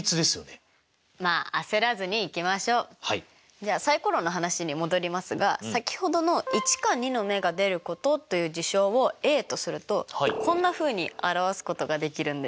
じゃあサイコロの話に戻りますが先ほどの１か２の目が出ることという事象をＡとするとこんなふうに表すことができるんです。